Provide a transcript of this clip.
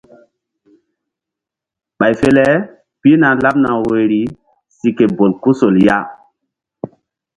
Ɓay fe le pihna laɓ woyri si ke bolkusol ya.